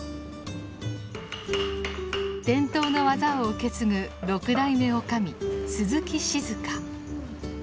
伝統の技を受け継ぐ６代目女将鈴木静。